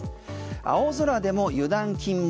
青空でも油断禁物